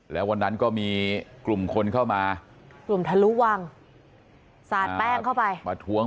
แล้ววันนั้นก็มีกลุ่มคนเข้ามากลุ่มทะลุวังสาดแป้งเข้าไปมาทวง